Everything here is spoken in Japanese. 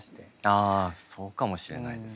あそうかもしれないですね。